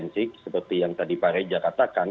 seperti yang tadi pak reza katakan